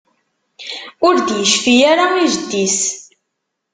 Ur d-yecfi ara i jeddi-s.